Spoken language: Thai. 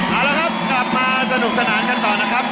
เอาละครับกลับมาสนุกสนานกันต่อนะครับ